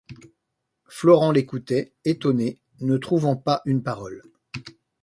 Florent l’écoutait, étonné, ne trouvant pas une parole.